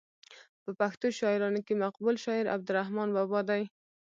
په پښتو شاعرانو کې مقبول شاعر عبدالرحمان بابا دی.